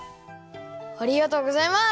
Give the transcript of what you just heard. ありがとうございます！